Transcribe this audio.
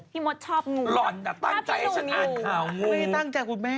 พี่มดชอบงูครับครับพี่หนูงูไม่ตั้งใจคุณแม่ค่ะหล่อนแต่ตั้งใจให้ฉันอ่านขาวงู